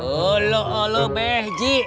olah olah behji